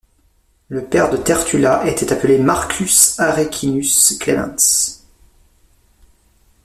Le père de Tertulla était appelé Marcus Arrecinus Clemens.